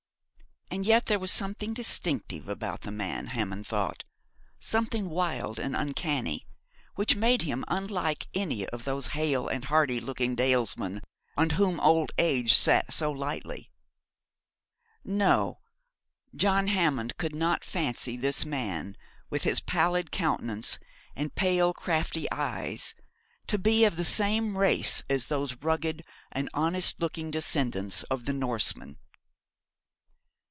And yet there was something distinctive about the man, Hammond thought, something wild and uncanny, which made him unlike any of those hale and hearty looking dalesmen on whom old age sate so lightly. No, John Hammond could not fancy this man, with his pallid countenance and pale crafty eyes, to be of the same race as those rugged and honest looking descendants of the Norsemen.